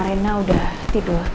rena udah tidur